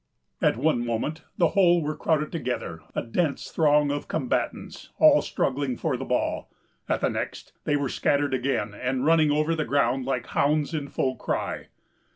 At one moment the whole were crowded together, a dense throng of combatants, all struggling for the ball; at the next, they were scattered again, and running over the ground like hounds in full cry.